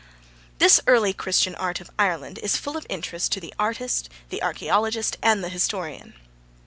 This early Christian art of Ireland is full of interest to the artist, the archaeologist and the historian.